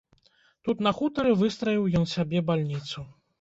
Тут на хутары выстраіў ён сабе бальніцу.